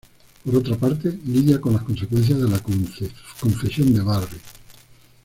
Por otra parte, lidia con las consecuencias de la confesión de Barry.